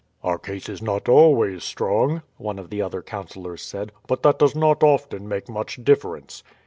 "Our case is not always strong," one of the other councillors said; "but that does not often make much difference."